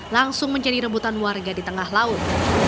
langsung menjadi rebutan warga di tengah laut